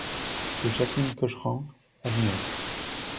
Rue Jacqueline Cochran à Niort